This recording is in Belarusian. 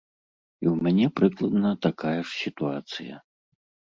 І ў мяне прыкладна такая ж сітуацыя.